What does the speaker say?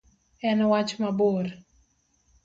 En wach mabor.